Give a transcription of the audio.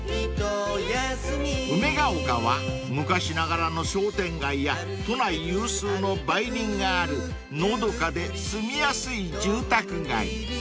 ［梅丘は昔ながらの商店街や都内有数の梅林があるのどかで住みやすい住宅街］